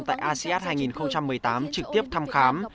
tại asean hai nghìn một mươi tám trực tiếp thăm khám